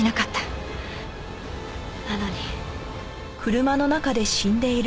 なのに。